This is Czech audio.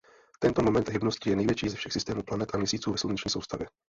Tento moment hybnosti je největší ze všech systémů planet a měsíců ve sluneční soustavě.